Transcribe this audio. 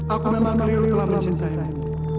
aku memang keliru telah mencintaimu